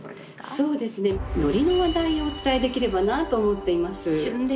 そうですね海苔の話題をお伝えできればなと思っています。